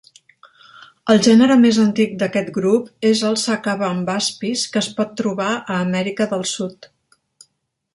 El gènere més antic d'aquest grup és el "Sacabambaspis" que es pot trobar a Amèrica del Sud.